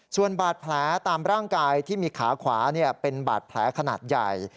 ส่วนบาดแผลตามร่างกายที่มีขาขวาเป็นบาดแผลขนาดใหญ่